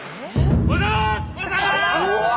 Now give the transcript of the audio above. おはようございます！